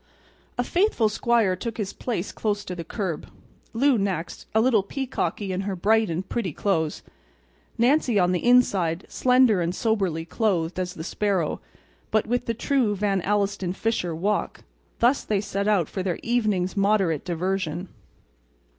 The faithful squire took his place close to the curb; Lou next, a little peacocky in her bright and pretty clothes; Nancy on the inside, slender, and soberly clothed as the sparrow, but with the true Van Alstyne Fisher walk—thus they set out for their evening's moderate diversion.